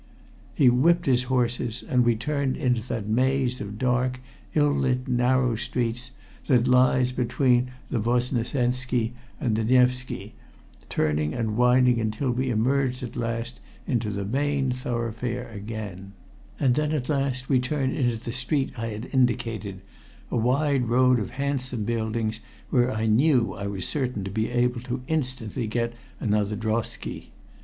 He whipped his horses, and we turned into that maze of dark, ill lit, narrow streets that lies between the Vosnesenski and the Nevski, turning and winding until we emerged at last into the main thoroughfare again, and then at last we turned into the street I had indicated a wide road of handsome buildings where I knew I was certain to be able to instantly get another drosky.